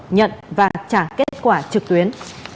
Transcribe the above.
nhận và trả kết quả trực tuyến